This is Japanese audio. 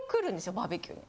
バーベキューに。